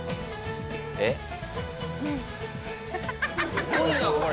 すごいなこれ！